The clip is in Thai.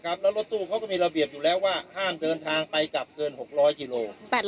แล้วรถตู้เขาก็มีระเบียบอยู่แล้วว่าห้ามเดินทางไปกลับเกิน๖๐๐กิโล